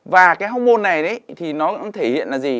và cái hormôn này thì nó thể hiện là gì